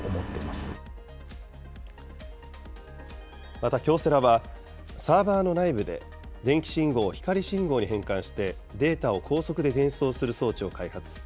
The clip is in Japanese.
また京セラは、サーバーの内部で、電気信号を光信号に変換してデータを高速で伝送する装置を開発。